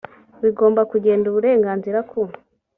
bigomba kugenda uburenganzira ku